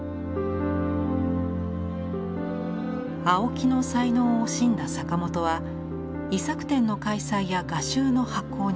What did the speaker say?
青木の才能を惜しんだ坂本は遺作展の開催や画集の発行に奔走。